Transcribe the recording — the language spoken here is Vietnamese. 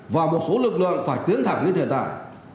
và một số lực lượng phải tiến thẳng lên hiện tại